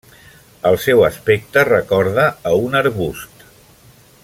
El seu aspecte recorda a un arbust.